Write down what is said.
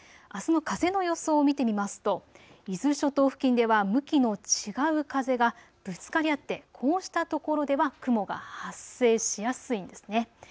あすの風の予想を見てみますと伊豆諸島付近では向きの違う風がぶつかり合ってこうしたところでは雲が発生しやすいんです。